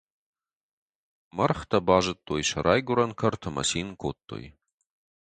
Мӕргътӕ базыдтой сӕ райгуырӕн кӕрт ӕмӕ цин кодтой.